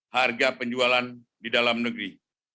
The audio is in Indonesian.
harga penjualan di dalam negeri